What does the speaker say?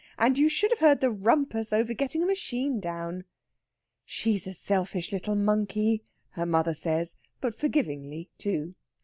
"And you should have heard the rumpus over getting a machine down." "She's a selfish little monkey," her mother says, but forgivingly, too.